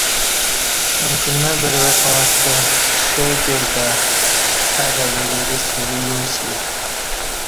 امکی نہ بروعڅاں ستہ ݜئ کیور تہ الی الی وریستہ دورو اسی